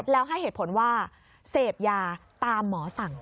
แล้วให้เหตุผลว่าเสพยาตามหมอสั่ง